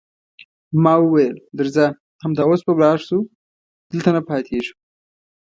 ما وویل: درځه، همدا اوس به ولاړ شو، دلته نه پاتېږو.